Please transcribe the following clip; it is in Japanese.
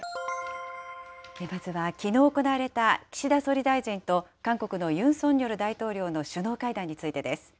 まずはきのう行われた、岸田総理大臣と韓国のユン・ソンニョル大統領の首脳会談についてです。